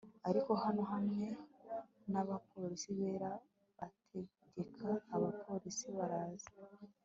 ariko hano, hamwe nabapolisi bera bategekaga abapolisi, baraza